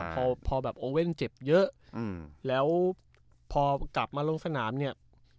พอพอแบบโอเว่นเจ็บเยอะแล้วพอกลับมาลงสนามเนี่ย